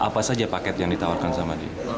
apa saja paket yang ditawarkan sama dia